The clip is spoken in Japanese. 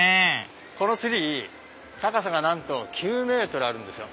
このツリー高さがなんと９ｍあるんですよ。